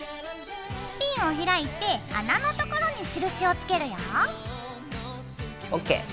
ピンを開いて穴のところに印をつけるよ。ＯＫ！ＯＫ！